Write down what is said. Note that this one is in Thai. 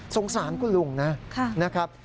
สงสารคุณลุงนะครับ